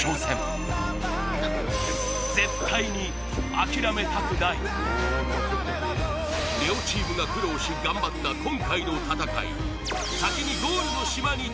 私はこのでも両チームが苦労し頑張った今回の戦い